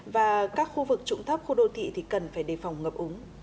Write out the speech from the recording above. và các khu vực trụng thấp khu đô thị thì cần phải đề phòng ngập úng